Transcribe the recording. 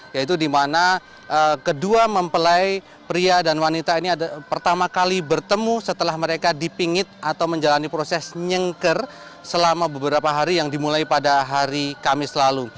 yaitu di mana kedua mempelai pria dan wanita ini pertama kali bertemu setelah mereka dipingit atau menjalani proses nyengker selama beberapa hari yang dimulai pada hari kamis lalu